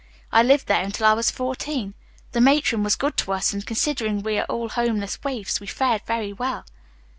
I lived there until I was fourteen. The matron was good to us, and considering we were all homeless waifs we fared very well."